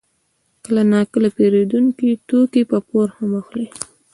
کله ناکله پېرودونکي توکي په پور هم اخلي